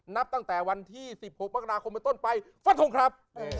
นับตั้งแต่วันที่๑๖มกราคมเป็นต้นไปฟันทงครับ